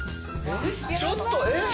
ちょっとえっ！